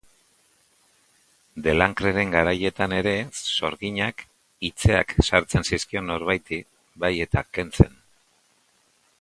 De Lancreren garaietan ere sorginak itzeak sartzen zizkion norbaiti, bai eta kentzen.